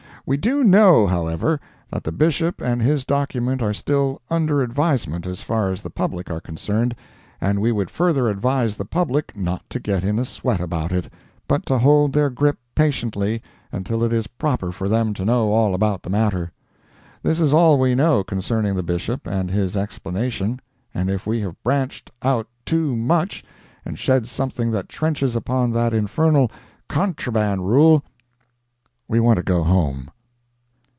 We do know, however, that the Bishop and his document are still under advisement as far as the public are concerned, and we would further advise the public not to get in a sweat about it, but to hold their grip patiently until it is proper for them to know all about the matter. This is all we know concerning the Bishop and his explanation, and if we have branched out too much and shed something that trenches upon that infernal "contraband" rule, we want to go home.